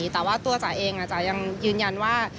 แต่ว่าตัวจ๋าเองจ๋ายังยืนยันว่า